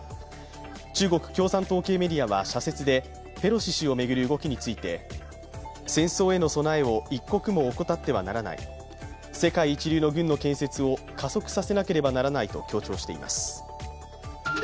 中国共産党系メディアは社説でペロシ氏を巡る動きについて戦争への備えを一刻も怠ってはならない世界一流の軍の創設を加速させなければならないと強調しています。